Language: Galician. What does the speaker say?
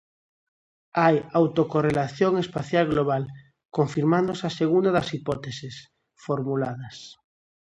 Hai autocorrelación espacial global, confirmándose a segunda das hipóteses formuladas.